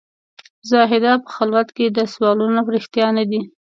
زاهده په خلوت کې دي سوالونه رښتیا نه دي.